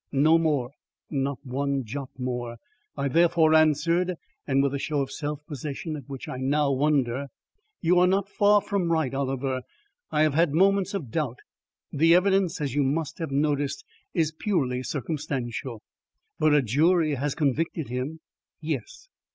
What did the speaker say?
No more, not one jot more. I, therefore, answered, and with a show of self possession at which I now wonder: "You are not far from right, Oliver. I have had moments of doubt. The evidence, as you must have noticed, is purely circumstantial." "But a jury has convicted him." "Yes."